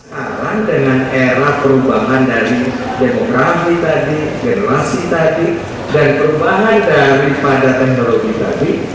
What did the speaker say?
sekarang dengan era perubahan dari demografi tadi generasi tadi